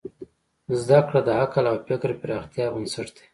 زدهکړه د عقل او فکر پراختیا بنسټ دی.